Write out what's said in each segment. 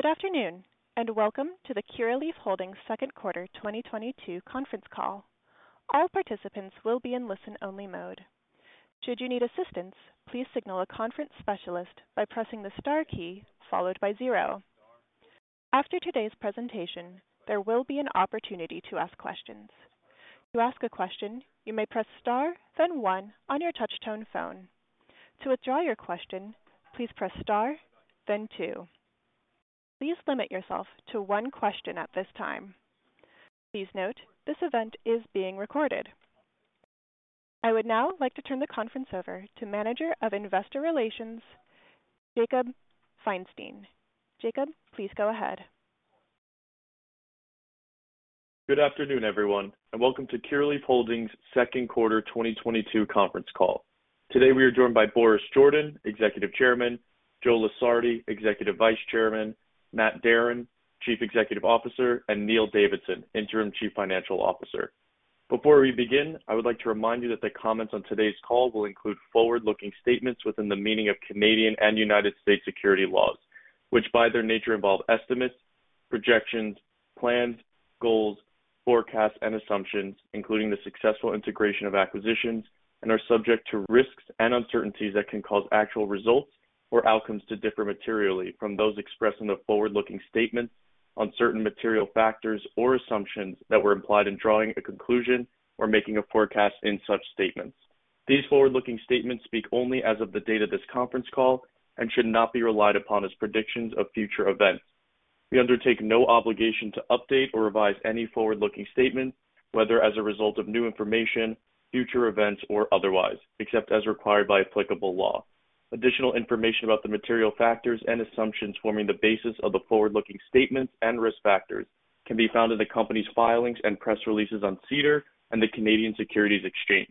Good afternoon, and welcome to the Curaleaf Holdings second quarter 2022 conference call. All participants will be in listen-only mode. Should you need assistance, please signal a conference specialist by pressing the star key followed by zero. After today's presentation, there will be an opportunity to ask questions. To ask a question, you may press star then one on your touch-tone phone. To withdraw your question, please press star then two. Please limit yourself to one question at this time. Please note, this event is being recorded. I would now like to turn the conference over to Manager of Investor Relations, Jakob Feinstein. Jakob, please go ahead. Good afternoon, everyone, and welcome to Curaleaf Holdings' second quarter 2022 conference call. Today, we are joined by Boris Jordan, Executive Chairman, Joe Lusardi, Executive Vice Chairman, Matt Darin, Chief Executive Officer, and Neil Davidson, Interim Chief Financial Officer. Before we begin, I would like to remind you that the comments on today's call will include forward-looking statements within the meaning of Canadian and U.S. securities laws, which by their nature involve estimates, projections, plans, goals, forecasts, and assumptions, including the successful integration of acquisitions and are subject to risks and uncertainties that can cause actual results or outcomes to differ materially from those expressing the forward-looking statements on certain material factors or assumptions that were implied in drawing a conclusion or making a forecast in such statements. These forward-looking statements speak only as of the date of this conference call and should not be relied upon as predictions of future events. We undertake no obligation to update or revise any forward-looking statements, whether as a result of new information, future events, or otherwise, except as required by applicable law. Additional information about the material factors and assumptions forming the basis of the forward-looking statements and risk factors can be found in the company's filings and press releases on SEDAR and the Canadian Securities Exchange.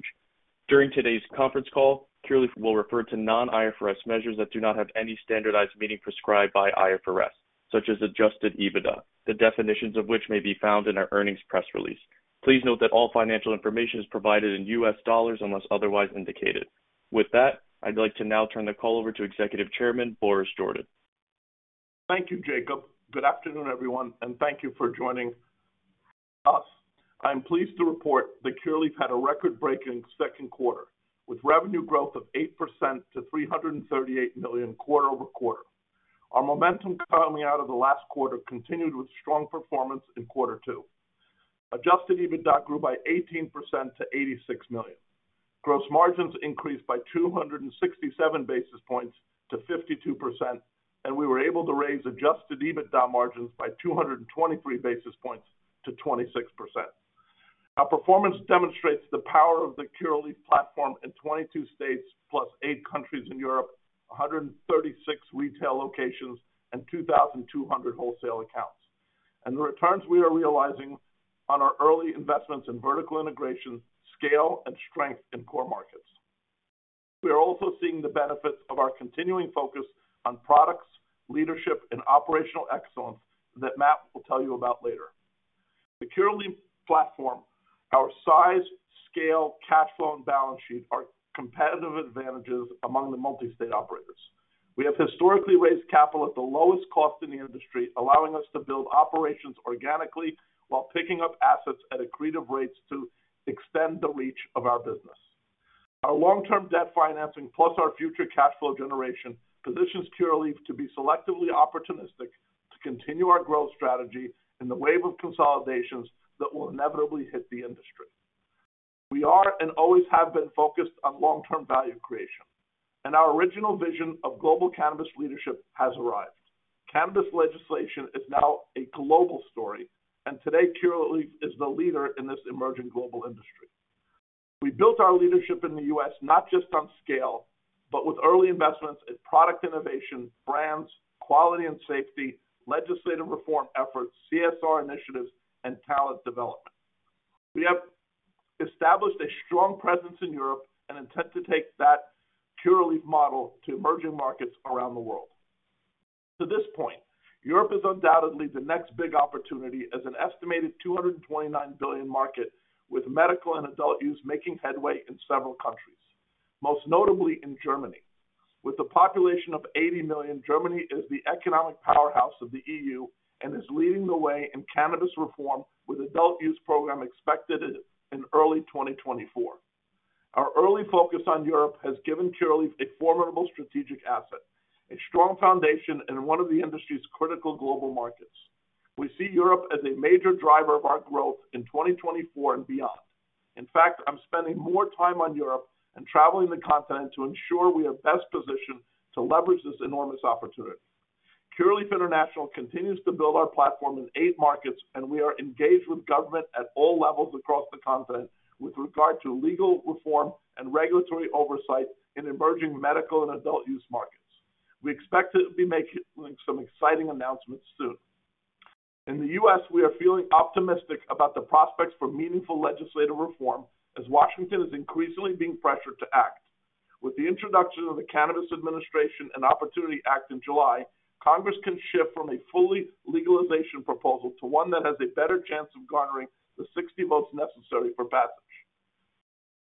During today's conference call, Curaleaf will refer to non-IFRS measures that do not have any standardized meaning prescribed by IFRS, such as Adjusted EBITDA, the definitions of which may be found in our earnings press release. Please note that all financial information is provided in U.S. dollars unless otherwise indicated. With that, I'd like to now turn the call over to Executive Chairman, Boris Jordan. Thank you, Jakob. Good afternoon, everyone, and thank you for joining us. I'm pleased to report that Curaleaf had a record-breaking second quarter, with revenue growth of 8% to $338 million quarter-over-quarter. Our momentum coming out of the last quarter continued with strong performance in quarter two. Adjusted EBITDA grew by 18% to $86 million. Gross margins increased by 267 basis points to 52%, and we were able to raise Adjusted EBITDA margins by 223 basis points to 26%. Our performance demonstrates the power of the Curaleaf platform in 22 states plus eight countries in Europe, 136 retail locations and 2,200 wholesale accounts. The returns we are realizing on our early investments in vertical integration, scale, and strength in core markets. We are also seeing the benefits of our continuing focus on products, leadership, and operational excellence that Matt will tell you about later. The Curaleaf platform, our size, scale, cash flow, and balance sheet are competitive advantages among the multi-state operators. We have historically raised capital at the lowest cost in the industry, allowing us to build operations organically while picking up assets at accretive rates to extend the reach of our business. Our long-term debt financing plus our future cash flow generation positions Curaleaf to be selectively opportunistic to continue our growth strategy in the wave of consolidations that will inevitably hit the industry. We are and always have been focused on long-term value creation, and our original vision of global cannabis leadership has arrived. Cannabis legislation is now a global story, and today, Curaleaf is the leader in this emerging global industry. We built our leadership in the U.S. not just on scale, but with early investments in product innovation, brands, quality and safety, legislative reform efforts, CSR initiatives, and talent development. We have established a strong presence in Europe and intend to take that Curaleaf model to emerging markets around the world. To this point, Europe is undoubtedly the next big opportunity as an estimated $229 billion market, with medical and adult-use making headway in several countries, most notably in Germany. With a population of 80 million, Germany is the economic powerhouse of the E.U. and is leading the way in cannabis reform, with adult-use program expected in early 2024. Our early focus on Europe has given Curaleaf a formidable strategic asset, a strong foundation in one of the industry's critical global markets. We see Europe as a major driver of our growth in 2024 and beyond. In fact, I'm spending more time on Europe and traveling the continent to ensure we are best positioned to leverage this enormous opportunity. Curaleaf International continues to build our platform in eight markets, and we are engaged with government at all levels across the continent with regard to legal reform and regulatory oversight in emerging medical and adult-use markets. We expect to be making some exciting announcements soon. In the U.S., we are feeling optimistic about the prospects for meaningful legislative reform as Washington is increasingly being pressured to act. With the introduction of the Cannabis Administration and Opportunity Act in July, Congress can shift from a full legalization proposal to one that has a better chance of garnering the 60 votes necessary for passage.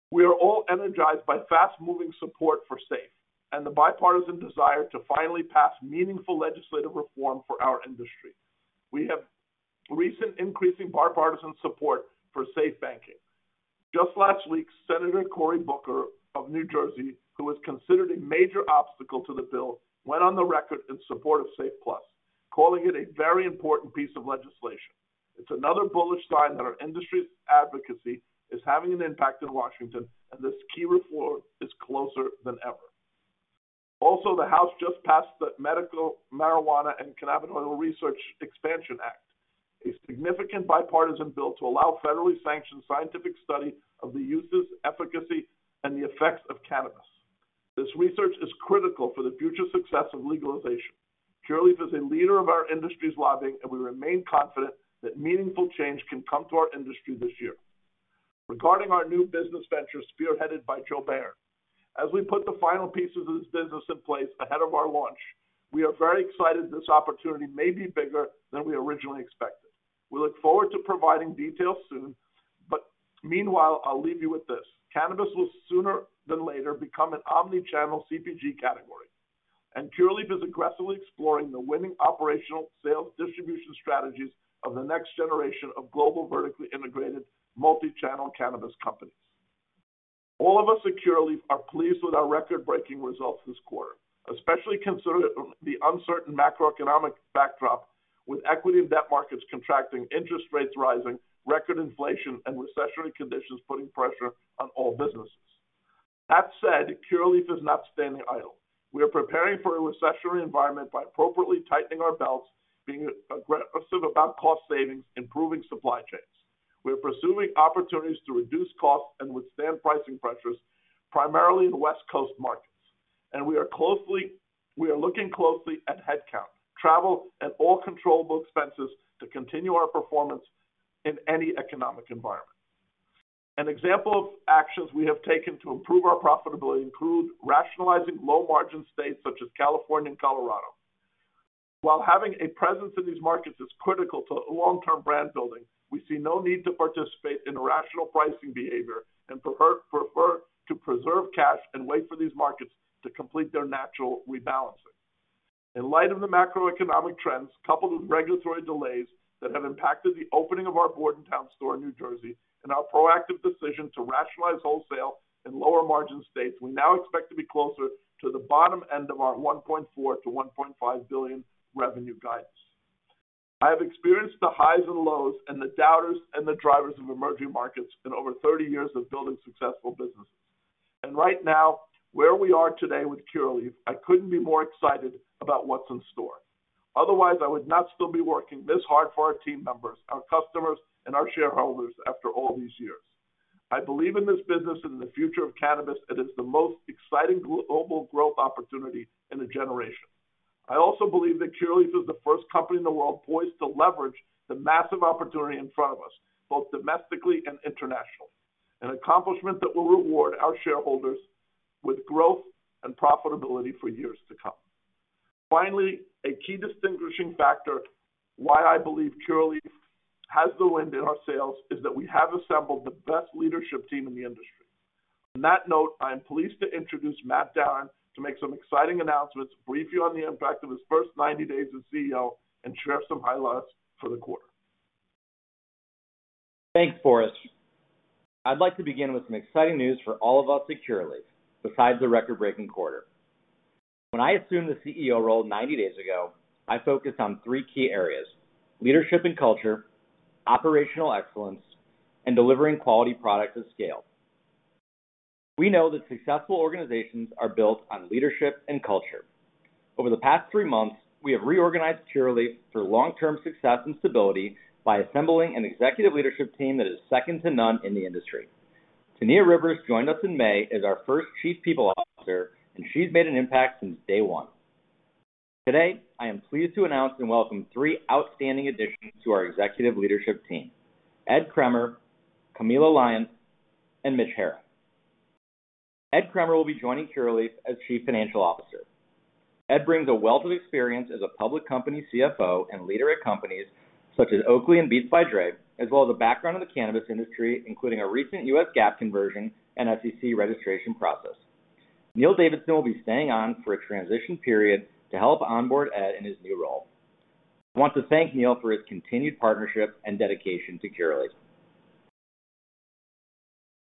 We are all energized by fast-moving support for SAFE and the bipartisan desire to finally pass meaningful legislative reform for our industry. We have recent increasing bipartisan support for SAFE Banking. Just last week, Senator Cory Booker of New Jersey, who was considered a major obstacle to the bill, went on the record in support of SAFE Plus, calling it a very important piece of legislation. It's another bullish sign that our industry's advocacy is having an impact in Washington, and this key reform is closer than ever. The House just passed the Medical Marijuana and Cannabidiol Research Expansion Act, a significant bipartisan bill to allow federally sanctioned scientific study of the uses, efficacy, and the effects of cannabis. This research is critical for the future success of legalization. Curaleaf is a leader of our industry's lobbying, and we remain confident that meaningful change can come to our industry this year. Regarding our new business venture spearheaded by Joe Behr, as we put the final pieces of this business in place ahead of our launch, we are very excited this opportunity may be bigger than we originally expected. We look forward to providing details soon, but meanwhile, I'll leave you with this. Cannabis will sooner than later become an omni-channel CPG category, and Curaleaf is aggressively exploring the winning operational sales distribution strategies of the next generation of global vertically integrated multi-channel cannabis companies. All of us at Curaleaf are pleased with our record-breaking results this quarter, especially considering the uncertain macroeconomic backdrop with equity and debt markets contracting, interest rates rising, record inflation, and recessionary conditions putting pressure on all businesses. That said, Curaleaf is not standing idle. We are preparing for a recessionary environment by appropriately tightening our belts, being aggressive about cost savings, improving supply chains. We are pursuing opportunities to reduce costs and withstand pricing pressures, primarily in the West Coast markets. We are looking closely at headcount, travel, and all controllable expenses to continue our performance in any economic environment. An example of actions we have taken to improve our profitability include rationalizing low-margin states such as California and Colorado. While having a presence in these markets is critical to long-term brand building, we see no need to participate in irrational pricing behavior and prefer to preserve cash and wait for these markets to complete their natural rebalancing. In light of the macroeconomic trends, coupled with regulatory delays that have impacted the opening of our Bordentown store in New Jersey and our proactive decision to rationalize wholesale in lower-margin states, we now expect to be closer to the bottom end of our $1.4 billion-$1.5 billion revenue guidance. I have experienced the highs and lows and the doubters and the drivers of emerging markets in over 30 years of building successful businesses. Right now, where we are today with Curaleaf, I couldn't be more excited about what's in store. Otherwise, I would not still be working this hard for our team members, our customers, and our shareholders after all these years. I believe in this business and in the future of cannabis. It is the most exciting global growth opportunity in a generation. I also believe that Curaleaf is the first company in the world poised to leverage the massive opportunity in front of us, both domestically and internationally, an accomplishment that will reward our shareholders with growth and profitability for years to come. Finally, a key distinguishing factor why I believe Curaleaf has the wind in our sails is that we have assembled the best leadership team in the industry. On that note, I am pleased to introduce Matt Darin to make some exciting announcements, brief you on the impact of his first 90 days as CEO, and share some highlights for the quarter. Thanks, Boris. I'd like to begin with some exciting news for all of us at Curaleaf besides the record-breaking quarter. When I assumed the CEO role 90 days ago, I focused on three key areas. Leadership and culture, operational excellence, and delivering quality product at scale. We know that successful organizations are built on leadership and culture. Over the past three months, we have reorganized Curaleaf for long-term success and stability by assembling an executive leadership team that is second to none in the industry. Tyneeha Rivers joined us in May as our first Chief People Officer, and she's made an impact since day one. Today, I am pleased to announce and welcome three outstanding additions to our executive leadership team, Ed Kremer, Camilo Lyon, and Mitch Hara. Ed Kremer will be joining Curaleaf as Chief Financial Officer. Ed brings a wealth of experience as a public company CFO and leader at companies such as Oakley and Beats by Dre, as well as a background in the cannabis industry, including a recent U.S. GAAP conversion and SEC registration process. Neil Davidson will be staying on for a transition period to help onboard Ed in his new role. I want to thank Neil for his continued partnership and dedication to Curaleaf.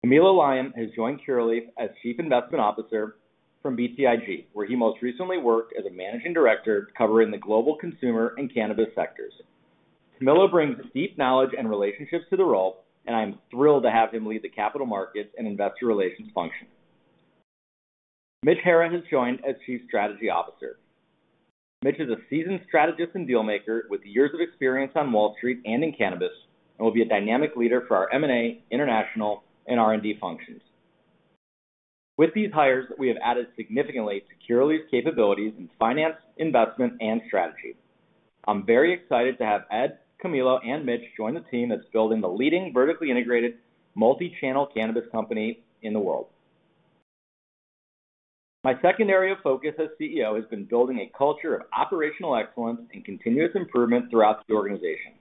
Camilo Lyon has joined Curaleaf as Chief Investment Officer from BTIG, where he most recently worked as a Managing Director covering the global consumer and cannabis sectors. Camilo brings deep knowledge and relationships to the role, and I'm thrilled to have him lead the capital markets and investor relations function. Mitch Hara has joined as Chief Strategy Officer. Mitch is a seasoned strategist and deal maker with years of experience on Wall Street and in cannabis, and will be a dynamic leader for our M&A, international, and R&D functions. With these hires, we have added significantly to Curaleaf's capabilities in finance, investment, and strategy. I'm very excited to have Ed, Camilo, and Mitch join the team that's building the leading vertically integrated multi-channel cannabis company in the world. My second area of focus as CEO has been building a culture of operational excellence and continuous improvement throughout the organization.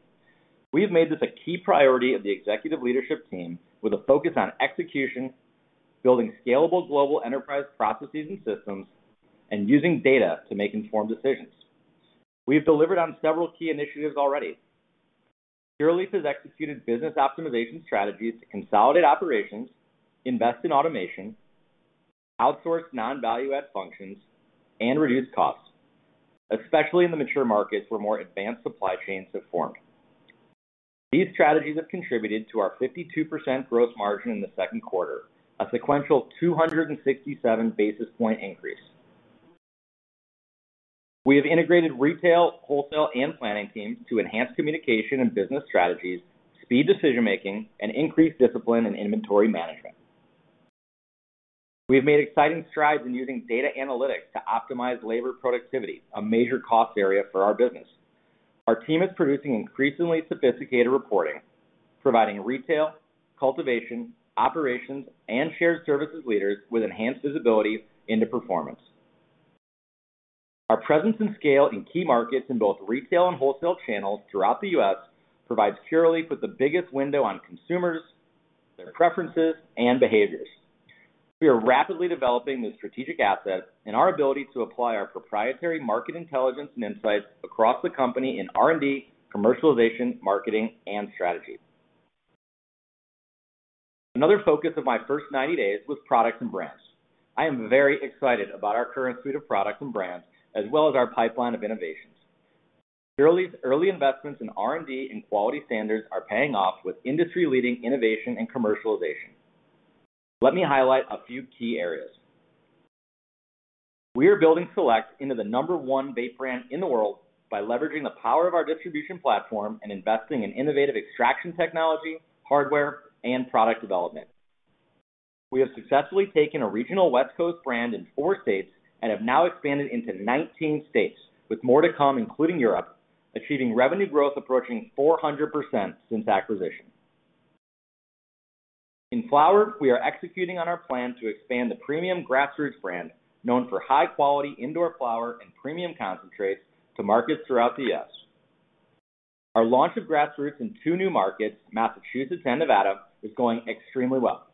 We have made this a key priority of the executive leadership team with a focus on execution, building scalable global enterprise processes and systems, and using data to make informed decisions. We've delivered on several key initiatives already. Curaleaf has executed business optimization strategies to consolidate operations, invest in automation, outsource non-value add functions, and reduce costs, especially in the mature markets where more advanced supply chains have formed. These strategies have contributed to our 52% gross margin in the second quarter, a sequential 267 basis point increase. We have integrated retail, wholesale, and planning teams to enhance communication and business strategies, speed decision making, and increase discipline and inventory management. We have made exciting strides in using data analytics to optimize labor productivity, a major cost area for our business. Our team is producing increasingly sophisticated reporting, providing retail, cultivation, operations, and shared services leaders with enhanced visibility into performance. Our presence and scale in key markets in both retail and wholesale channels throughout the U.S. provides Curaleaf with the biggest window on consumers, their preferences, and behaviors. We are rapidly developing this strategic asset and our ability to apply our proprietary market intelligence and insights across the company in R&D, commercialization, marketing, and strategy. Another focus of my first 90 days was products and brands. I am very excited about our current suite of products and brands, as well as our pipeline of innovations. Curaleaf's early investments in R&D and quality standards are paying off with industry-leading innovation and commercialization. Let me highlight a few key areas. We are building Select into the number one vape brand in the world by leveraging the power of our distribution platform and investing in innovative extraction technology, hardware, and product development. We have successfully taken a regional West Coast brand in four states and have now expanded into 19 states, with more to come, including Europe, achieving revenue growth approaching 400% since acquisition. In flower, we are executing on our plan to expand the premium Grassroots brand, known for high quality indoor flower and premium concentrates, to markets throughout the U.S. Our launch of Grassroots in two new markets, Massachusetts and Nevada, is going extremely well.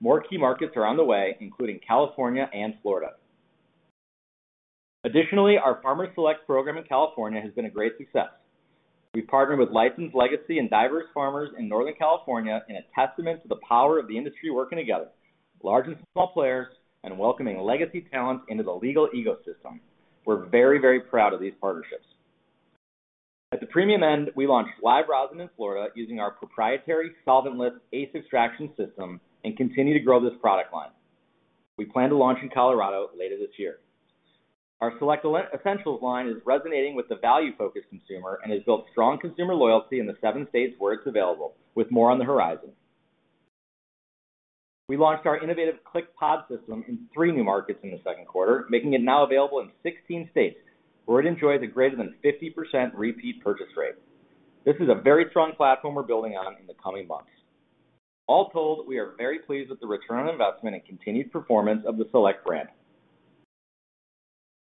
More key markets are on the way, including California and Florida. Additionally, our Farmer's Select program in California has been a great success. We've partnered with licensed legacy and diverse farmers in Northern California in a testament to the power of the industry working together, large and small players, and welcoming legacy talent into the legal ecosystem. We're very, very proud of these partnerships. At the premium end, we launched Live Resin in Florida using our proprietary solvent-less ACE extraction system and continue to grow this product line. We plan to launch in Colorado later this year. Our Select Essentials line is resonating with the value-focused consumer and has built strong consumer loyalty in the seven states where it's available, with more on the horizon. We launched our innovative Cliq pod system in three new markets in the second quarter, making it now available in 16 states, where it enjoys a greater than 50% repeat purchase rate. This is a very strong platform we're building on in the coming months. All told, we are very pleased with the return on investment and continued performance of the Select brand.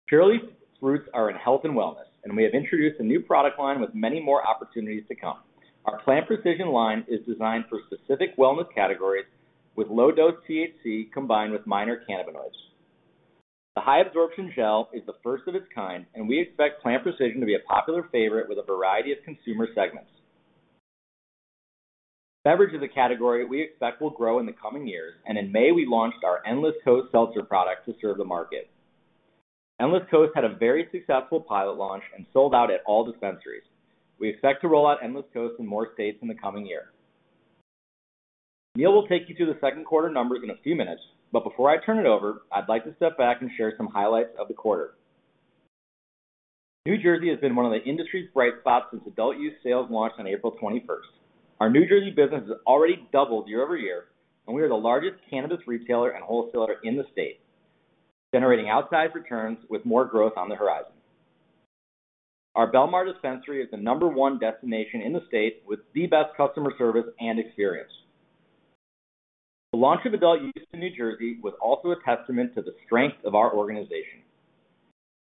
Curaleaf's roots are in health and wellness, and we have introduced a new product line with many more opportunities to come. Our Plant Precision line is designed for specific wellness categories with low-dose THC combined with minor cannabinoids. The high-absorption gel is the first of its kind, and we expect Plant Precision to be a popular favorite with a variety of consumer segments. Beverage is a category we expect will grow in the coming years, and in May, we launched our Endless Coast seltzer product to serve the market. Endless Coast had a very successful pilot launch and sold out at all dispensaries. We expect to roll out Endless Coast in more states in the coming year. Neil will take you through the second quarter numbers in a few minutes, but before I turn it over, I'd like to step back and share some highlights of the quarter. New Jersey has been one of the industry's bright spots since adult-use sales launched on April 21st. Our New Jersey business has already doubled year-over-year, and we are the largest cannabis retailer and wholesaler in the state, generating outsized returns with more growth on the horizon. Our Bellmawr Dispensary is the number one destination in the state with the best customer service and experience. The launch of adult-use in New Jersey was also a testament to the strength of our organization.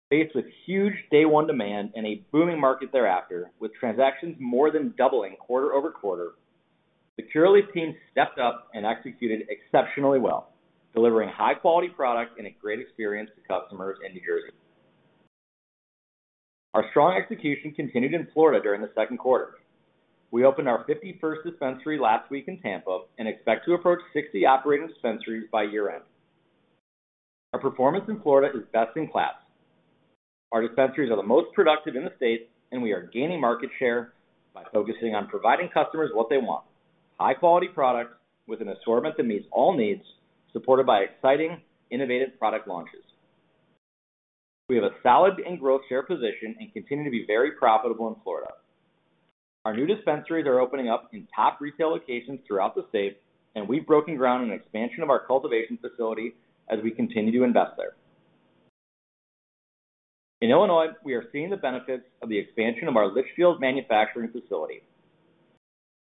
Faced with huge day-one demand and a booming market thereafter, with transactions more than doubling quarter-over-quarter, the Curaleaf team stepped up and executed exceptionally well, delivering high-quality product and a great experience to customers in New Jersey. Our strong execution continued in Florida during the second quarter. We opened our 51st dispensary last week in Tampa and expect to approach 60 operating dispensaries by year-end. Our performance in Florida is best-in-class. Our dispensaries are the most productive in the state, and we are gaining market share by focusing on providing customers what they want: high-quality products with an assortment that meets all needs, supported by exciting, innovative product launches. We have a solid and growing share position and continue to be very profitable in Florida. Our new dispensaries are opening up in top retail locations throughout the state, and we've broken ground in expansion of our cultivation facility as we continue to invest there. In Illinois, we are seeing the benefits of the expansion of our Litchfield manufacturing facility.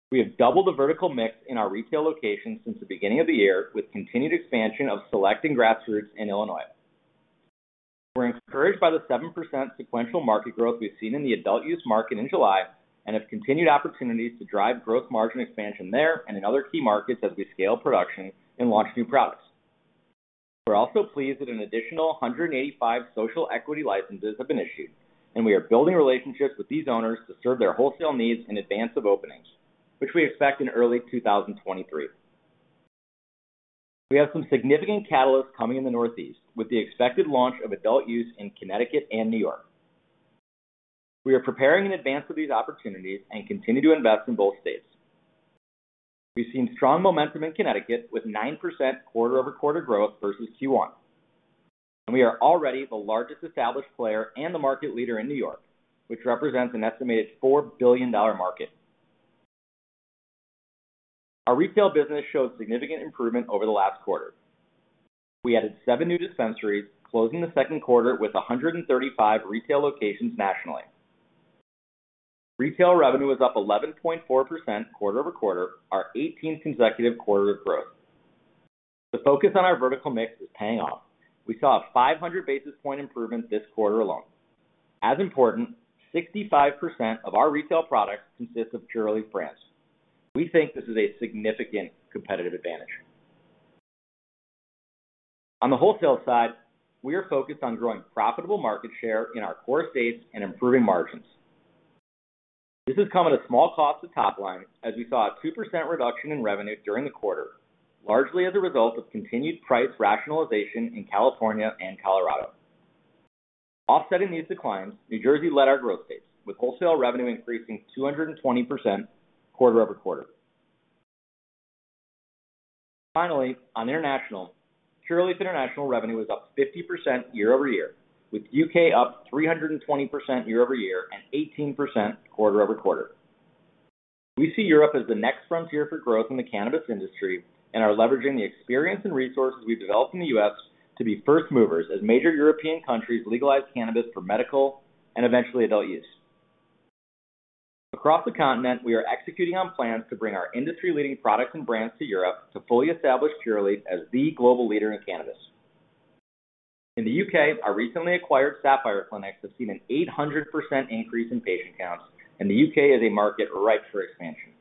We have doubled the vertical mix in our retail locations since the beginning of the year, with continued expansion of Select and Grassroots in Illinois. We're encouraged by the 7% sequential market growth we've seen in the adult-use market in July and have continued opportunities to drive growth margin expansion there and in other key markets as we scale production and launch new products. We're also pleased that an additional 185 social equity licenses have been issued, and we are building relationships with these owners to serve their wholesale needs in advance of openings, which we expect in early 2023. We have some significant catalysts coming in the Northeast with the expected launch of adult-use in Connecticut and New York. We are preparing in advance of these opportunities and continue to invest in both states. We've seen strong momentum in Connecticut with 9% quarter-over-quarter growth versus Q1. We are already the largest established player and the market leader in New York, which represents an estimated $4 billion market. Our retail business showed significant improvement over the last quarter. We added seven new dispensaries, closing the second quarter with 135 retail locations nationally. Retail revenue was up 11.4% quarter-over-quarter, our 18th consecutive quarter of growth. The focus on our vertical mix is paying off. We saw a 500 basis point improvement this quarter alone. As important, 65% of our retail products consist of Curaleaf brands. We think this is a significant competitive advantage. On the wholesale side, we are focused on growing profitable market share in our core states and improving margins. This has come at a small cost to top line, as we saw a 2% reduction in revenue during the quarter, largely as a result of continued price rationalization in California and Colorado. Offsetting these declines, New Jersey led our growth pace, with wholesale revenue increasing 220% quarter-over-quarter. Finally, on international, Curaleaf International revenue was up 50% year-over-year, with U.K. up 320% year-over-year and 18% quarter-over-quarter. We see Europe as the next frontier for growth in the cannabis industry and are leveraging the experience and resources we've developed in the U.S. to be first movers as major European countries legalize cannabis for medical and eventually adult-use. Across the continent, we are executing on plans to bring our industry-leading products and brands to Europe to fully establish Curaleaf as the global leader in cannabis. In the U.K., our recently acquired Sapphire Clinics have seen an 800% increase in patient counts, and the U.K. is a market ripe for expansion.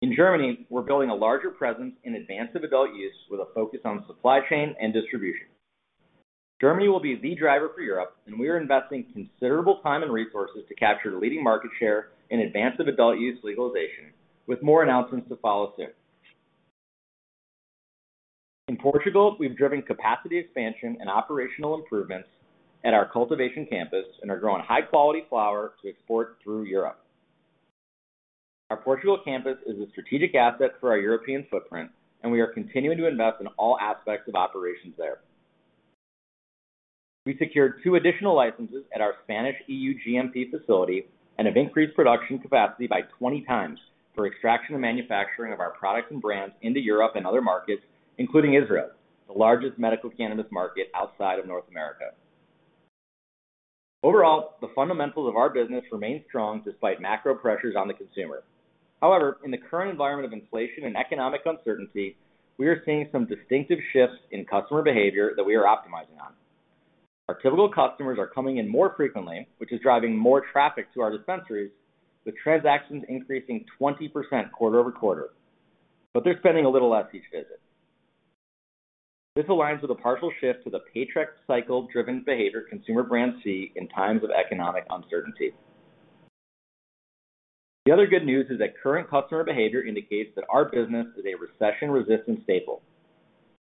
In Germany, we're building a larger presence in advance of adult-use with a focus on supply chain and distribution. Germany will be the driver for Europe, and we are investing considerable time and resources to capture leading market share in advance of adult-use legalization, with more announcements to follow soon. In Portugal, we've driven capacity expansion and operational improvements at our cultivation campus and are growing high-quality flower to export through Europe. Our Portugal campus is a strategic asset for our European footprint, and we are continuing to invest in all aspects of operations there. We secured two additional licenses at our Spanish EU GMP facility and have increased production capacity by 20 times for extraction and manufacturing of our products and brands into Europe and other markets, including Israel, the largest medical cannabis market outside of North America. Overall, the fundamentals of our business remain strong despite macro pressures on the consumer. However, in the current environment of inflation and economic uncertainty, we are seeing some distinctive shifts in customer behavior that we are optimizing on. Our typical customers are coming in more frequently, which is driving more traffic to our dispensaries, with transactions increasing 20% quarter-over-quarter, but they're spending a little less each visit. This aligns with a partial shift to the paycheck cycle-driven behavior consumer brands see in times of economic uncertainty. The other good news is that current customer behavior indicates that our business is a recession-resistant staple.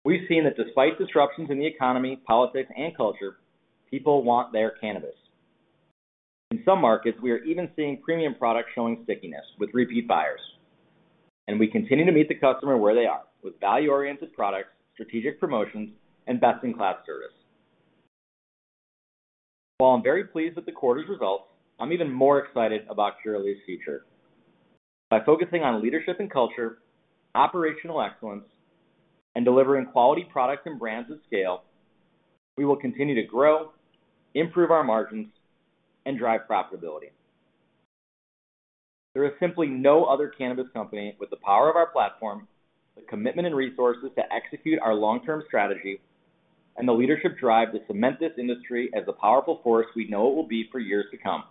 We've seen that despite disruptions in the economy, politics, and culture, people want their cannabis. In some markets, we are even seeing premium products showing stickiness with repeat buyers. We continue to meet the customer where they are with value-oriented products, strategic promotions, and best-in-class service. While I'm very pleased with the quarter's results, I'm even more excited about Curaleaf's future. By focusing on leadership and culture, operational excellence, and delivering quality products and brands at scale, we will continue to grow, improve our margins, and drive profitability. There is simply no other cannabis company with the power of our platform, the commitment and resources to execute our long-term strategy, and the leadership drive to cement this industry as the powerful force we know it will be for years to come.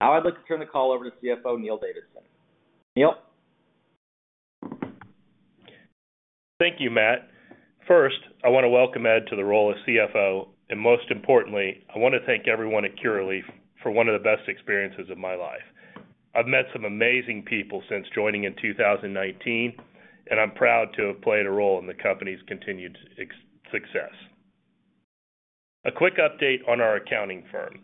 Now I'd like to turn the call over to CFO, Neil Davidson. Neil? Thank you, Matt. First, I want to welcome Ed to the role of CFO, and most importantly, I want to thank everyone at Curaleaf for one of the best experiences of my life. I've met some amazing people since joining in 2019, and I'm proud to have played a role in the company's continued success. A quick update on our accounting firm.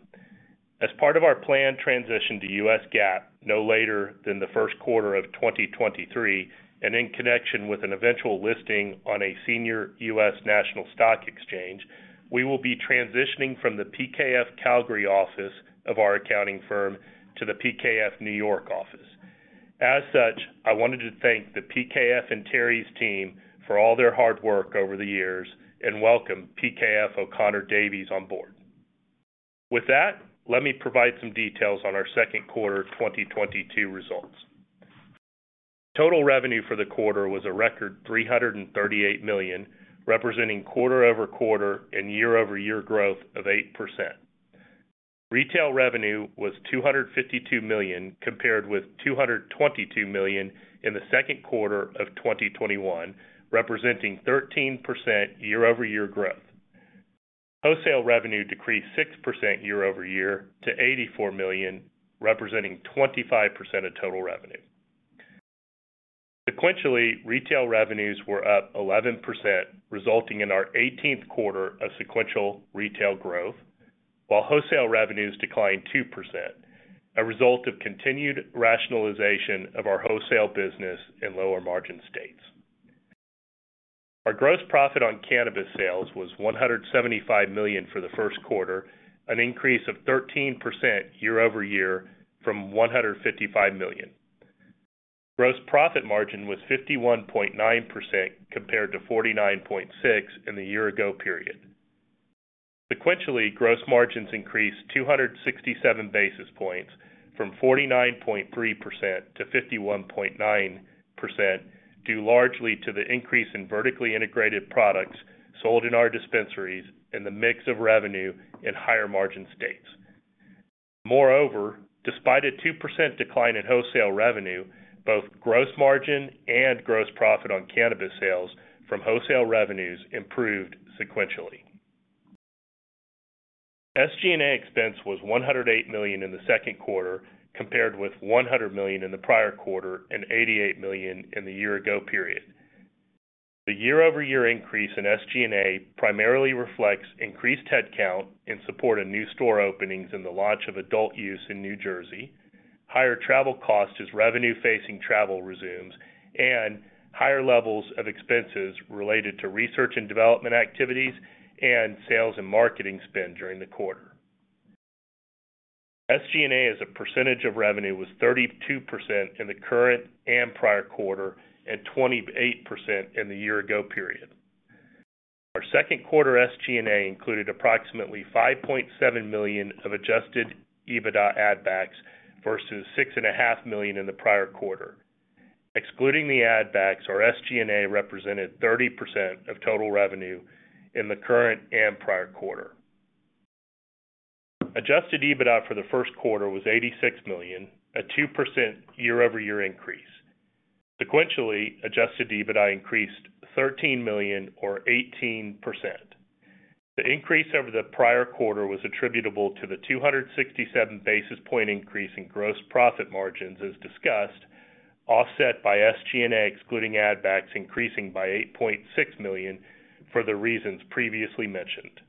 As part of our planned transition to U.S. GAAP no later than the first quarter of 2023, and in connection with an eventual listing on a senior U.S. national stock exchange, we will be transitioning from the PKF Calgary office of our accounting firm to the PKF New York office. As such, I wanted to thank the PKF and Terry's team for all their hard work over the years and welcome PKF O'Connor Davies on board. With that, let me provide some details on our second quarter 2022 results. Total revenue for the quarter was a record $338 million, representing quarter-over-quarter and year-over-year growth of 8%. Retail revenue was $252 million, compared with $222 million in the second quarter of 2021, representing 13% year-over-year growth. Wholesale revenue decreased 6% year-over-year to $84 million, representing 25% of total revenue. Sequentially, retail revenues were up 11%, resulting in our 18th quarter of sequential retail growth, while wholesale revenues declined 2%, a result of continued rationalization of our wholesale business in lower margin states. Our gross profit on cannabis sales was $175 million for the first quarter, an increase of 13% year-over-year from $155 million. Gross profit margin was 51.9% compared to 49.6% in the year ago period. Sequentially, gross margins increased 267 basis points from 49.3% to 51.9%, due largely to the increase in vertically integrated products sold in our dispensaries and the mix of revenue in higher margin states. Moreover, despite a 2% decline in wholesale revenue, both gross margin and gross profit on cannabis sales from wholesale revenues improved sequentially. SG&A expense was $108 million in the second quarter, compared with $100 million in the prior quarter and $88 million in the year ago period. The year-over-year increase in SG&A primarily reflects increased headcount in support of new store openings in the launch of adult-use in New Jersey, higher travel costs as revenue-facing travel resumes, and higher levels of expenses related to research and development activities and sales and marketing spend during the quarter. SG&A, as a percentage of revenue, was 32% in the current and prior quarter and 28% in the year ago period. Our second quarter SG&A included approximately $5.7 million of Adjusted EBITDA add backs versus $6.5 million in the prior quarter. Excluding the add backs, our SG&A represented 30% of total revenue in the current and prior quarter. Adjusted EBITDA for the first quarter was $86 million, a 2% year-over-year increase. Sequentially, Adjusted EBITDA increased $13 million or 18%. The increase over the prior quarter was attributable to the 267 basis point increase in gross profit margins, as discussed, offset by SG&A, excluding add backs, increasing by $8.6 million for the reasons previously mentioned.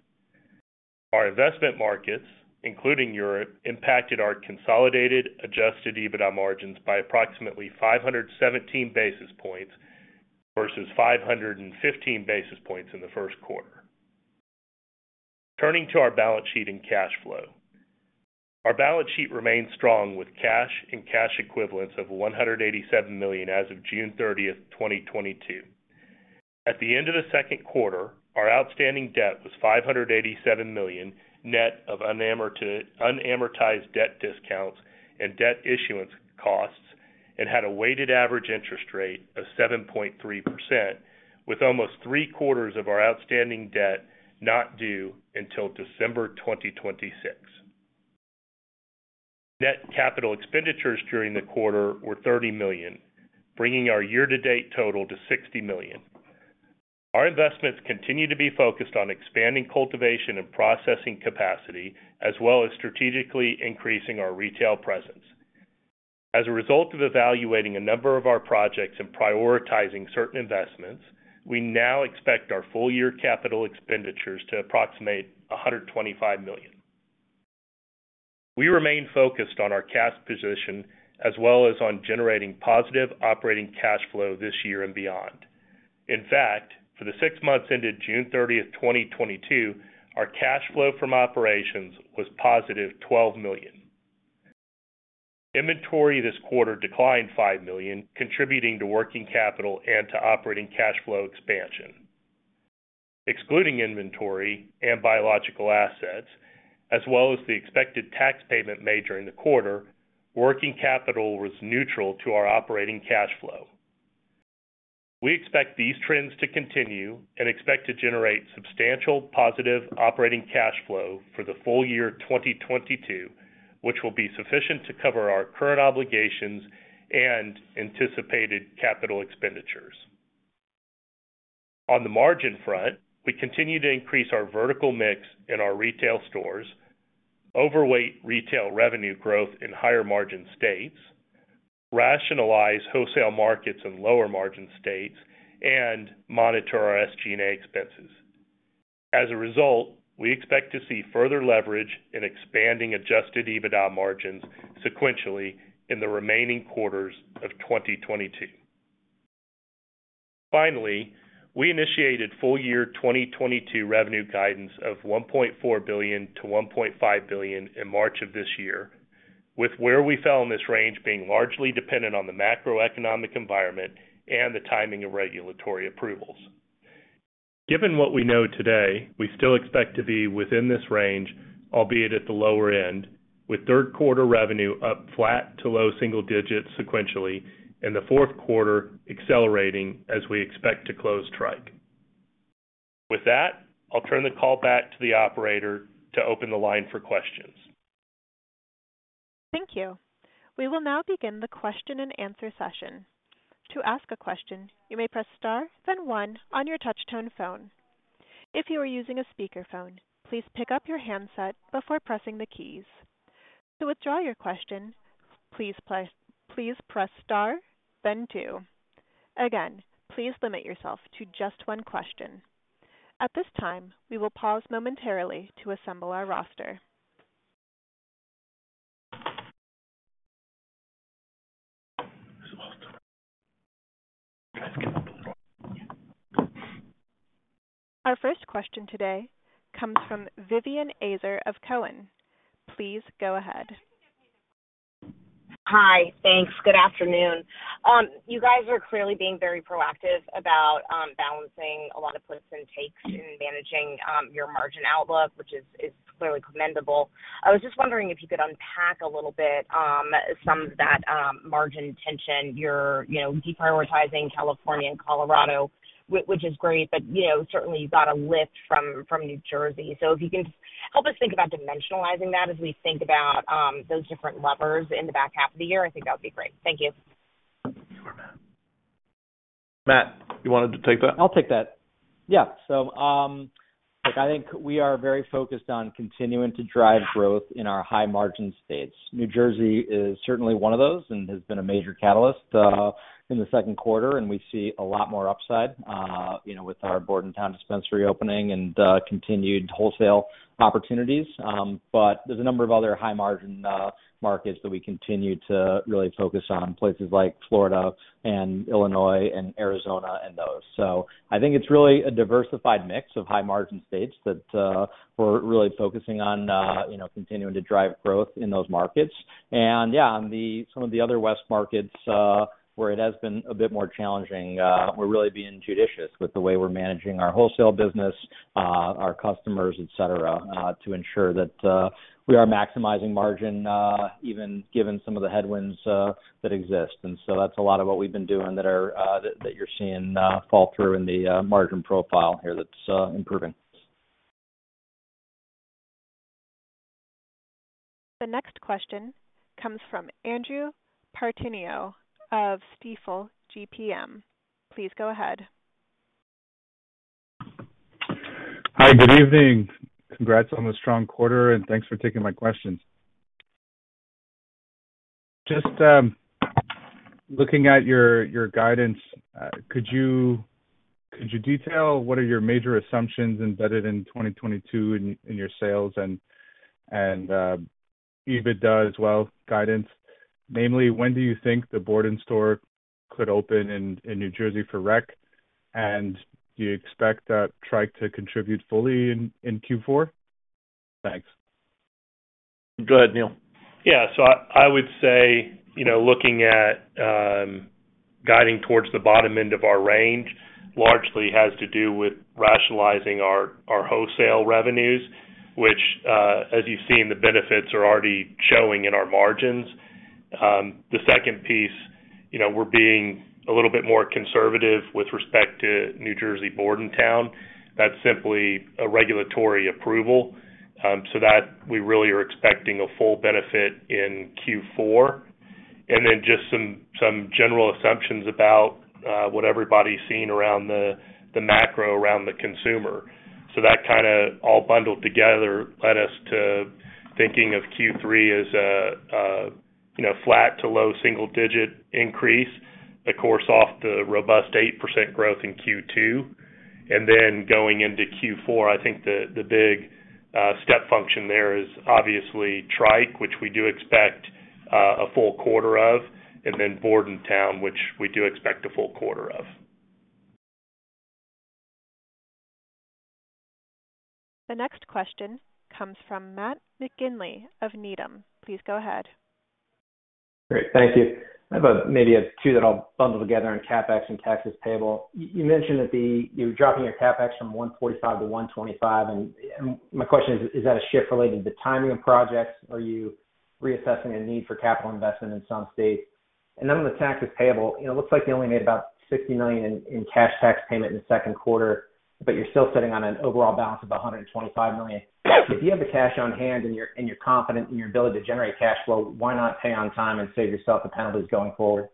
Our investment markets, including Europe, impacted our consolidated Adjusted EBITDA margins by approximately 517 basis points versus 515 basis points in the first quarter. Turning to our balance sheet and cash flow. Our balance sheet remains strong with cash and cash equivalents of $187 million as of June 30th, 2022. At the end of the second quarter, our outstanding debt was $587 million, net of unamortized debt discounts and debt issuance costs, and had a weighted average interest rate of 7.3%, with almost three-quarters of our outstanding debt not due until December 2026. Net capital expenditures during the quarter were $30 million, bringing our year-to-date total to $60 million. Our investments continue to be focused on expanding cultivation and processing capacity, as well as strategically increasing our retail presence. As a result of evaluating a number of our projects and prioritizing certain investments, we now expect our full year capital expenditures to approximate $125 million. We remain focused on our cash position as well as on generating positive operating cash flow this year and beyond. In fact, for the six months ended June 30th, 2022, our cash flow from operations was +$12 million. Inventory this quarter declined $5 million, contributing to working capital and to operating cash flow expansion. Excluding inventory and biological assets, as well as the expected tax payment made during the quarter, working capital was neutral to our operating cash flow. We expect these trends to continue and expect to generate substantial positive operating cash flow for the full year 2022, which will be sufficient to cover our current obligations and anticipated capital expenditures. On the margin front, we continue to increase our vertical mix in our retail stores, overweight retail revenue growth in higher margin states, rationalize wholesale markets in lower margin states, and monitor our SG&A expenses. As a result, we expect to see further leverage in expanding Adjusted EBITDA margins sequentially in the remaining quarters of 2022. Finally, we initiated full year 2022 revenue guidance of $1.4 billion-$1.5 billion in March of this year, with where we fell in this range being largely dependent on the macroeconomic environment and the timing of regulatory approvals. Given what we know today, we still expect to be within this range, albeit at the lower end, with third quarter revenue up flat to low single digits sequentially, and the fourth quarter accelerating as we expect to close Tryke. With that, I'll turn the call back to the operator to open the line for questions. Thank you. We will now begin the question and answer session. To ask a question, you may press star, then one on your touch-tone phone. If you are using a speakerphone, please pick up your handset before pressing the keys. To withdraw your question, please press star, then two. Again, please limit yourself to just one question. At this time, we will pause momentarily to assemble our roster. Our first question today comes from Vivien Azer of Cowen. Please go ahead. Hi. Thanks. Good afternoon. You guys are clearly being very proactive about balancing a lot of puts and takes in managing your margin outlook, which is clearly commendable. I was just wondering if you could unpack a little bit some of that margin tension. You're deprioritizing California and Colorado, which is great, but certainly you got a lift from New Jersey. If you can just help us think about dimensionalizing that as we think about those different levers in the back half of the year, I think that would be great. Thank you. Matt, you wanted to take that? I'll take that. Yeah. Look, I think we are very focused on continuing to drive growth in our high margin states. New Jersey is certainly one of those and has been a major catalyst in the second quarter, and we see a lot more upside with our Bordentown dispensary opening and continued wholesale opportunities. There's a number of other high margin markets that we continue to really focus on, places like Florida and Illinois and Arizona and those. I think it's really a diversified mix of high margin states that we're really focusing on continuing to drive growth in those markets. Yeah, on some of the other west markets, where it has been a bit more challenging, we're really being judicious with the way we're managing our wholesale business, our customers, et cetera, to ensure that we are maximizing margin, even given some of the headwinds that exist. That's a lot of what we've been doing that you're seeing fall through in the margin profile here that's improving. The next question comes from Andrew Partheniou of Stifel GMP. Please go ahead. Hi. Good evening. Congrats on the strong quarter, and thanks for taking my questions. Just looking at your guidance, could you detail what are your major assumptions embedded in 2022 in your sales and EBITDA as well, guidance? Namely, when do you think the Borden store could open in New Jersey for rec, and do you expect that Tryke to contribute fully in Q4? Thanks. Go ahead, Neil. Yeah. I would say, you know, looking at guiding towards the bottom end of our range largely has to do with rationalizing our wholesale revenues, which, as you've seen, the benefits are already showing in our margins. The second piece, you know, we're being a little bit more conservative with respect to New Jersey, Bordentown. That's simply a regulatory approval, so that we really are expecting a full benefit in Q4. Just some general assumptions about what everybody's seen around the macro around the consumer. That kind of all bundled together led us to thinking of Q3 as a flat to low single-digit increase, of course, off the robust 8% growth in Q2. Going into Q4, I think the big step function there is obviously Tryke, which we do expect a full quarter of, and then Bordentown, which we do expect a full quarter of. The next question comes from Matt McGinley of Needham. Please go ahead. Great. Thank you. I have maybe two that I'll bundle together on CapEx and taxes payable. You mentioned that you're dropping your CapEx from $145 to $125, and my question is that a shift related to timing of projects? Are you reassessing a need for capital investment in some states? And then on the taxes payable it looks like you only made about $60 million in cash tax payment in the second quarter, but you're still sitting on an overall balance of $125 million. If you have the cash on hand and you're confident in your ability to generate cash flow, why not pay on time and save yourself the penalties going forward?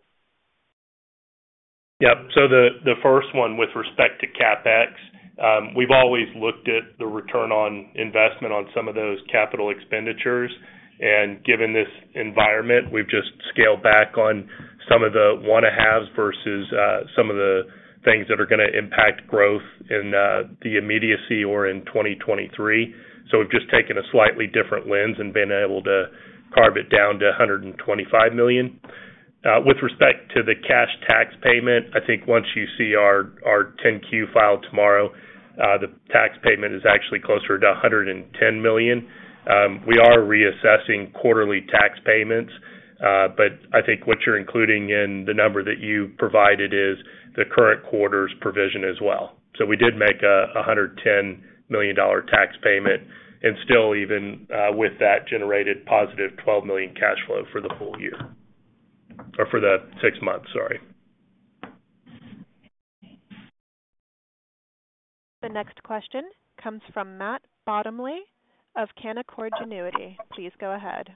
Yeah. The first one with respect to CapEx, we've always looked at the return on investment on some of those capital expenditures. Given this environment, we've just scaled back on some of the want to haves versus some of the things that are gonna impact growth in the immediacy or in 2023. We've just taken a slightly different lens and been able to carve it down to $125 million. With respect to the cash tax payment, I think once you see our 10-Q file tomorrow, the tax payment is actually closer to $110 million. We are reassessing quarterly tax payments, but I think what you're including in the number that you provided is the current quarter's provision as well. We did make a $110 million tax payment and still even with that generated +$12 million cash flow for the full year or for the six months, sorry. The next question comes from Matt Bottomley of Canaccord Genuity. Please go ahead.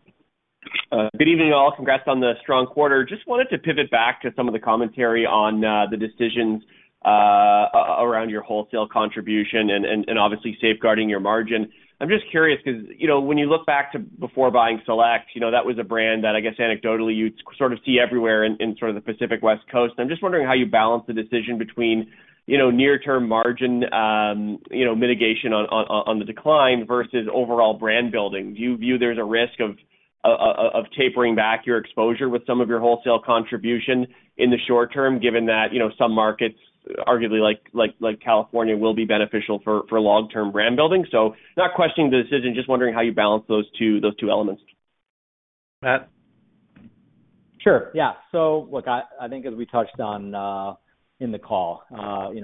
Good evening, all. Congrats on the strong quarter. Just wanted to pivot back to some of the commentary on the decisions around your wholesale contribution and obviously safeguarding your margin. I'm just curious because, you know, when you look back to before buying Select, you know, that was a brand that I guess anecdotally you'd sort of see everywhere in sort of the Pacific West Coast. I'm just wondering how you balance the decision between, you know, near-term margin, you know, mitigation on the decline versus overall brand building. Do you view there's a risk of tapering back your exposure with some of your wholesale contribution in the short term, given that, you know, some markets, arguably like California, will be beneficial for long-term brand building? Not questioning the decision, just wondering how you balance those two elements. Matt? Sure. Yeah, look, I think as we touched on in the call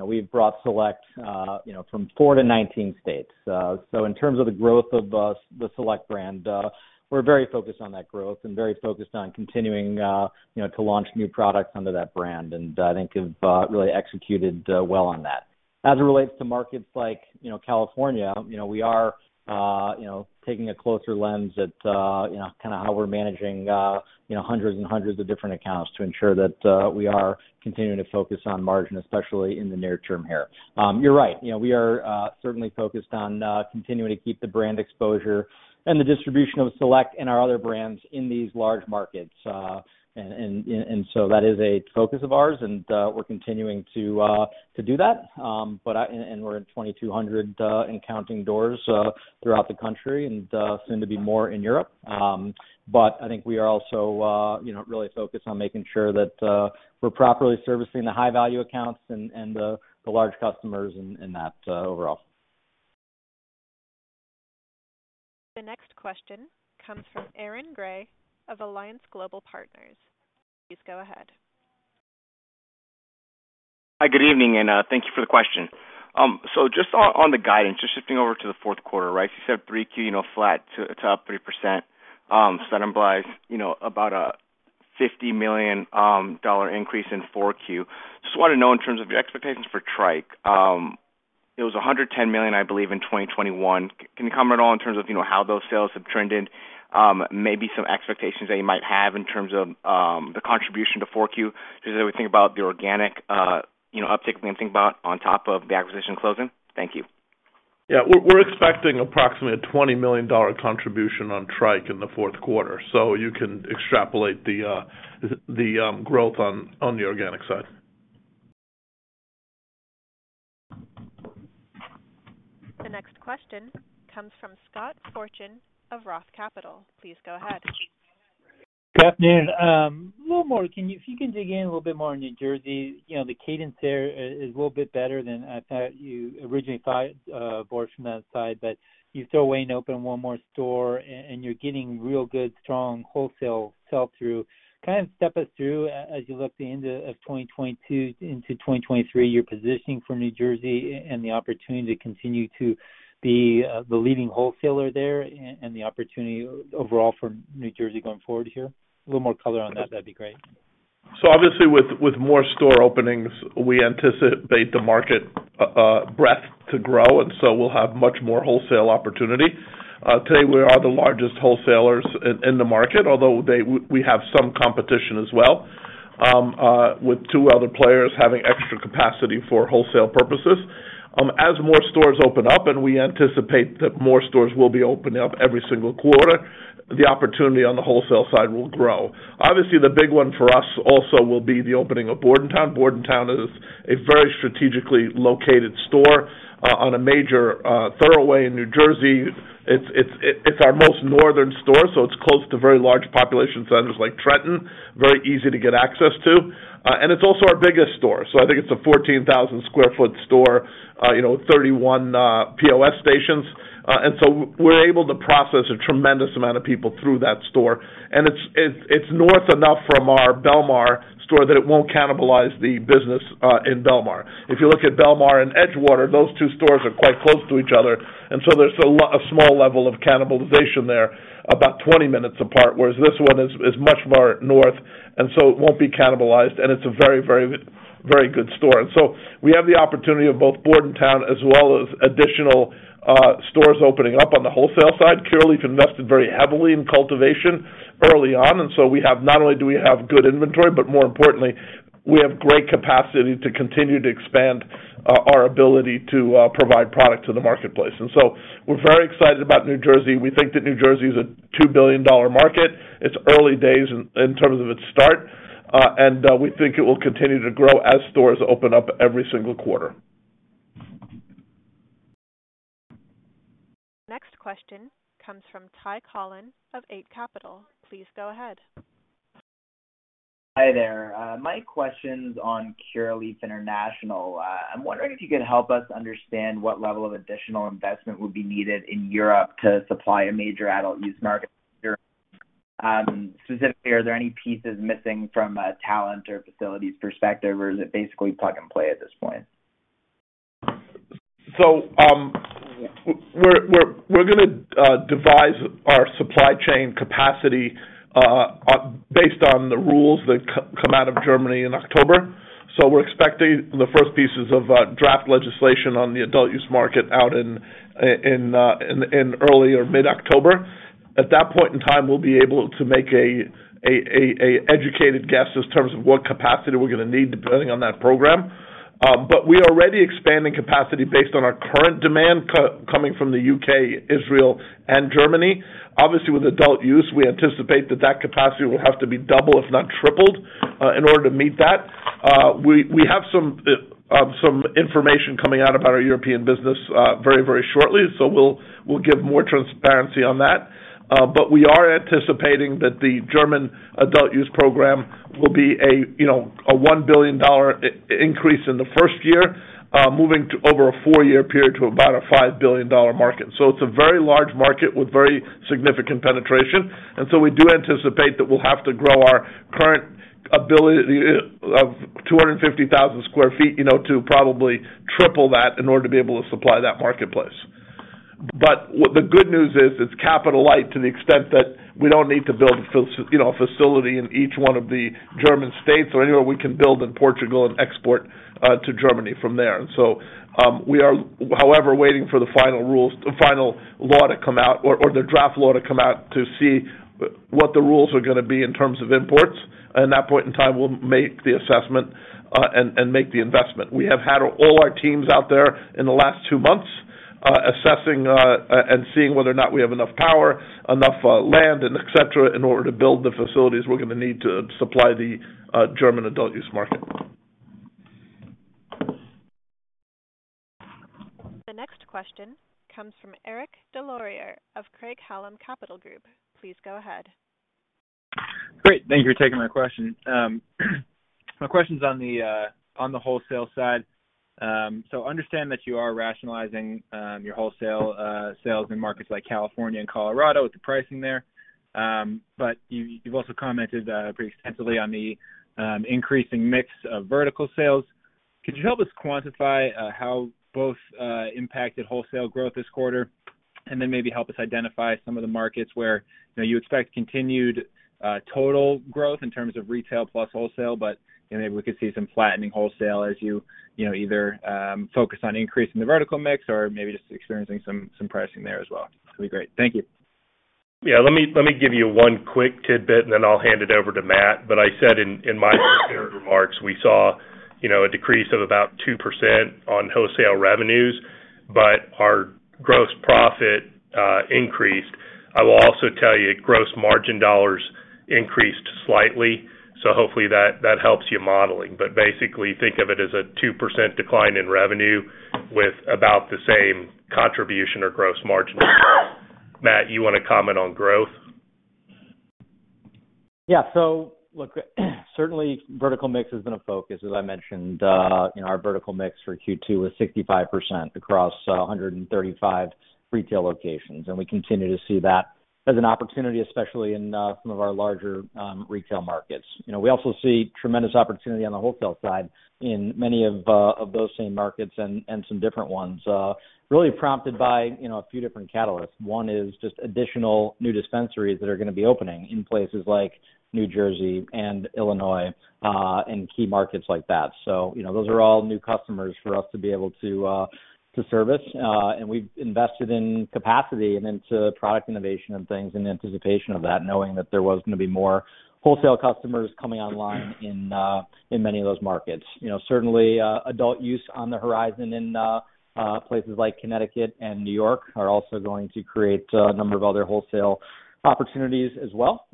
we've brought Select from 4-19 states. In terms of the growth of the Select brand, we're very focused on that growth and very focused on continuing to launch new products under that brand, and I think have really executed well on that. As it relates to markets like California we are taking a closer lens at kind of how we're managing hundreds and hundreds of different accounts to ensure that we are continuing to focus on margin, especially in the near term here. You're right. We are certainly focused on continuing to keep the brand exposure and the distribution of Select and our other brands in these large markets. That is a focus of ours, and we're continuing to do that. We're at 2,200 and counting doors throughout the country and soon to be more in Europe. I think we are also really focused on making sure that we're properly servicing the high-value accounts and the large customers in that overall. The next question comes from Aaron Grey of Alliance Global Partners. Please go ahead. Hi, good evening, and thank you for the question. So just on the guidance, just shifting over to the fourth quarter, right? You said 3Q, you know, flat to up 3%, so that implies about a $50 million increase in 4Q. Just wanted to know in terms of your expectations for Tryke. It was $110 million, I believe in 2021. Can you comment at all in terms of how those sales have trended, maybe some expectations that you might have in terms of the contribution to 4Q as we think about the organic uptick when we think about on top of the acquisition closing? Thank you. Yeah. We're expecting approximately a $20 million contribution on Tryke in the fourth quarter. You can extrapolate the growth on the organic side. The next question comes from Scott Fortune of Roth Capital. Please go ahead. Good afternoon. A little more, if you can dig in a little bit more on New Jersey the cadence there is a little bit better than I thought you originally thought, Boris from that side. You're still waiting to open one more store and you're getting real good, strong wholesale sell-through. Kind of step us through, as you look at the end of 2022 into 2023, your positioning for New Jersey and the opportunity to continue to be the leading wholesaler there and the opportunity overall for New Jersey going forward here. A little more color on that'd be great. Obviously, with more store openings, we anticipate the market breadth to grow, and we'll have much more wholesale opportunity. Today, we are the largest wholesalers in the market, although we have some competition as well, with two other players having extra capacity for wholesale purposes. As more stores open up, and we anticipate that more stores will be opening up every single quarter, the opportunity on the wholesale side will grow. Obviously, the big one for us also will be the opening of Bordentown. Bordentown is a very strategically located store on a major thoroughway in New Jersey. It's our most northern store, so it's close to very large population centers like Trenton, very easy to get access to. It's also our biggest store. I think it's a 14,000 sq ft store, you know, 31 POS stations. We're able to process a tremendous amount of people through that store. It's north enough from our Bellmawr store that it won't cannibalize the business in Bellmawr. If you look at Bellmawr and Edgewater, those two stores are quite close to each other, and there's a small level of cannibalization there about twenty minutes apart, whereas this one is much more north, and it won't be cannibalized, and it's a very good store. We have the opportunity of both Bordentown as well as additional stores opening up on the wholesale side. Curaleaf invested very heavily in cultivation early on, and so we have not only do we have good inventory, but more importantly, we have great capacity to continue to expand our ability to provide product to the marketplace. We're very excited about New Jersey. We think that New Jersey is a $2 billion market. It's early days in terms of its start, and we think it will continue to grow as stores open up every single quarter. Next question comes from Ty Collin of Eight Capital. Please go ahead. Hi there. My question's on Curaleaf International. I'm wondering if you could help us understand what level of additional investment would be needed in Europe to supply a major adult-use market there. Specifically, are there any pieces missing from a talent or facilities perspective, or is it basically plug and play at this point? We're gonna devise our supply chain capacity based on the rules that come out of Germany in October. We're expecting the first pieces of draft legislation on the adult-use market out in early or mid-October. At that point in time, we'll be able to make an educated guess in terms of what capacity we're gonna need depending on that program. We are already expanding capacity based on our current demand coming from the UK, Israel and Germany. Obviously, with adult-use, we anticipate that capacity will have to be double, if not tripled, in order to meet that. We have some information coming out about our European business very shortly, we'll give more transparency on that. We are anticipating that the German adult-use program will be a, you know, a $1 billion increase in the first year, moving to over a 4-year period to about a $5 billion market. It's a very large market with very significant penetration. We do anticipate that we'll have to grow our current ability of 250,000 sq ft, you know, to probably triple that in order to be able to supply that marketplace. The good news is, it's capital light to the extent that we don't need to build, you know, a facility in each one of the German states, or anywhere we can build in Portugal and export to Germany from there. We are, however, waiting for the final rules, final law to come out or the draft law to come out to see what the rules are gonna be in terms of imports. At that point in time, we'll make the assessment, and make the investment. We have had all our teams out there in the last two months, assessing, and seeing whether or not we have enough power, enough land and et cetera, in order to build the facilities we're gonna need to supply the German adult-use market. The next question comes from Eric Des Lauriers of Craig-Hallum Capital Group. Please go ahead. Great. Thank you for taking my question. My question's on the wholesale side. So understand that you are rationalizing your wholesale sales in markets like California and Colorado with the pricing there. But you've also commented pretty extensively on the increasing mix of vertical sales. Could you help us quantify how both impacted wholesale growth this quarter, and then maybe help us identify some of the markets where you know you expect continued total growth in terms of retail plus wholesale, but you know maybe we could see some flattening wholesale as you you know either focus on increasing the vertical mix or maybe just experiencing some pricing there as well. That'd be great. Thank you. Yeah. Let me give you one quick tidbit, and then I'll hand it over to Matt. I said in my prepared remarks, we saw, you know, a decrease of about 2% on wholesale revenues, but our gross profit increased. I will also tell you gross margin dollars increased slightly, so hopefully that helps your modeling. Basically, think of it as a 2% decline in revenue with about the same contribution or gross margin. Matt, you wanna comment on growth? Yeah. Look, certainly vertical mix has been a focus. As I mentioned, you know, our vertical mix for Q2 was 65% across 135 retail locations, and we continue to see that as an opportunity, especially in some of our larger retail markets. You know, we also see tremendous opportunity on the wholesale side in many of those same markets and some different ones, really prompted by, you know, a few different catalysts. One is just additional new dispensaries that are gonna be opening in places like New Jersey and Illinois and key markets like that. You know, those are all new customers for us to be able to service. We've invested in capacity and into product innovation and things in anticipation of that, knowing that there was gonna be more wholesale customers coming online in many of those markets. You know, certainly, adult-use on the horizon in places like Connecticut and New York are also going to create a number of other wholesale opportunities as well.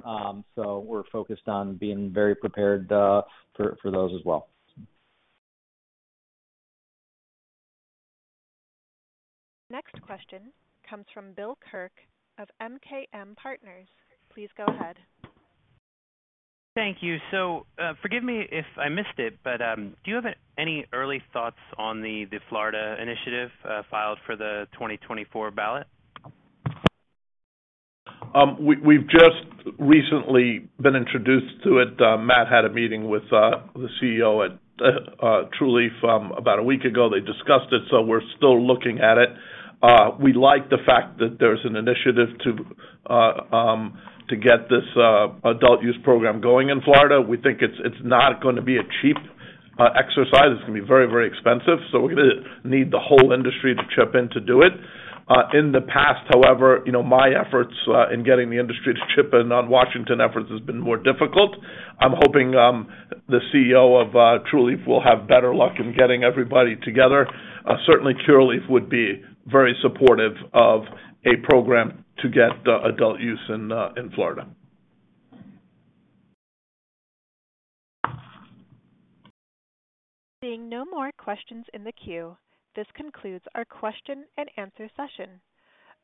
We're focused on being very prepared for those as well. Next question comes from Bill Kirk of MKM Partners. Please go ahead. Thank you. Forgive me if I missed it, but do you have any early thoughts on the Florida initiative filed for the 2024 ballot? We've just recently been introduced to it. Matt had a meeting with the CEO at Trulieve about a week ago. They discussed it, so we're still looking at it. We like the fact that there's an initiative to get this adult-use program going in Florida. We think it's not gonna be a cheap exercise. It's gonna be very, very expensive, so we're gonna need the whole industry to chip in to do it. In the past, however, you know, my efforts in getting the industry to chip in on Washington efforts has been more difficult. I'm hoping the CEO of Trulieve will have better luck in getting everybody together. Certainly Curaleaf would be very supportive of a program to get the adult-use in Florida. Seeing no more questions in the queue, this concludes our question and answer session.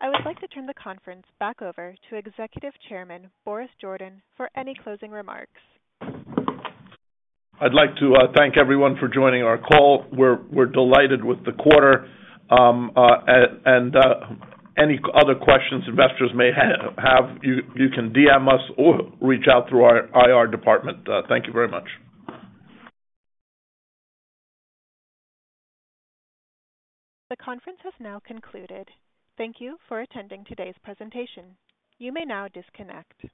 I would like to turn the conference back over to Executive Chairman Boris Jordan for any closing remarks. I'd like to thank everyone for joining our call. We're delighted with the quarter, and any other questions investors may have, you can DM us or reach out through our IR department. Thank you very much. The conference has now concluded. Thank you for attending today's presentation. You may now disconnect.